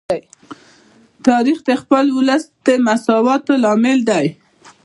تاریخ د خپل ولس د مساوات لامل دی.